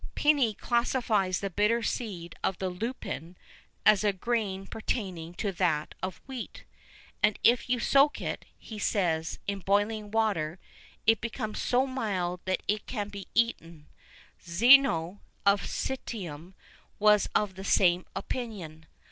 [VI 8] Pliny classifies the bitter seed of the Lupin as a grain pertaining to that of wheat;[VI 9] and if you soak it, he says, in boiling water, it becomes so mild that it can be eaten.[VI 10] Zeno, of Citium, was of the same opinion.